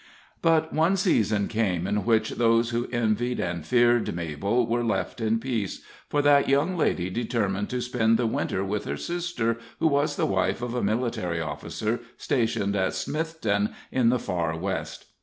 But one season came in which those who envied and feared Mabel were left in peace, for that young lady determined to spend the Winter with her sister, who was the wife of a military officer stationed at Smithton, in the Far West.